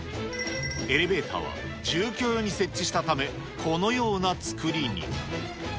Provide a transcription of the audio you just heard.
エレベーターは住居用に設置したため、このような造りに。